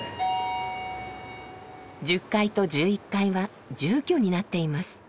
１０階と１１階は住居になっています。